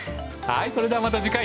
それではまた次回！